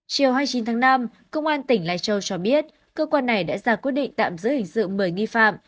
chiều hai mươi chín tháng năm công an tỉnh lai châu cho biết cơ quan này đã ra quyết định tạm giữ hình sự một mươi nghi phạm